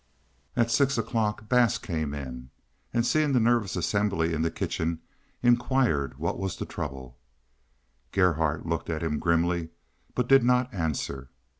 At six o'clock Bass came in, and seeing the nervous assembly in the kitchen, inquired what the trouble was. Gerhardt looked at him grimly, but did not answer.